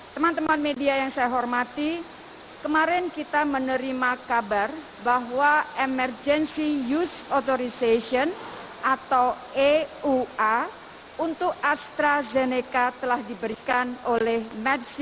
teman teman media yang saya hormati kemarin kita menerima kabar bahwa emergency use authorization atau eua untuk astrazeneca telah diberikan oleh match